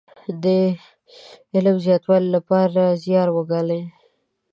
د علم د زياتولو لپاره زيار وګالي.